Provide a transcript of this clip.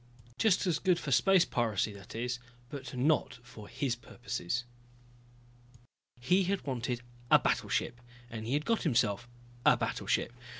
Just as good for space piracy, that is but not for his purposes. He had wanted a battleship, and he had gotten himself a battleship.